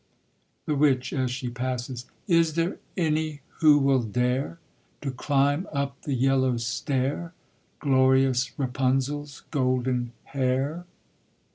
THE WITCH, as she passes. Is there any who will dare To climb up the yellow stair, Glorious Rapunzel's golden hair?